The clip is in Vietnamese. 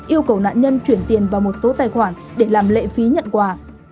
yêu cầu nạn nhân chuyển tiền vào một số tài khoản để làm lệ phí nhận quà